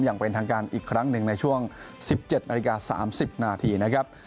อย่างเป็นทางการอีกครั้งหนึ่งในช่วง๑๗นาฬิกา๓๐นาทีนะครับ